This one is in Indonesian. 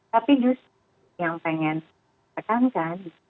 tapi justru yang pengen tekankan